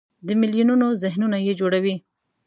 د میلیونونو ذهنونه یې جوړوي.